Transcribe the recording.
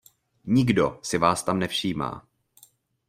Nikdo si vás tam nevšímá.